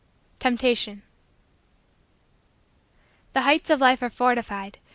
TEMPTATION The heights of Life are fortified.